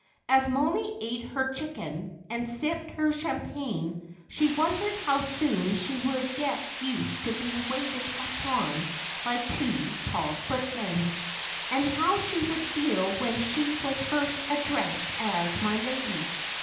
As Mollie ate her chicken, and sipped her champagne, she wondered how soon she would get used to be waited upon by two tall footmen, and how she would feel when she was first addressed as "My lady."